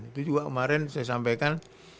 itu juga kemarin saya sampaikan